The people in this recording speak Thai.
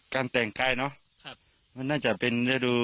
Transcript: ชาวบ้านที่รู้ข่าวตอนนี้แกกลัวคนจะต้องหมุ่มแก่ได้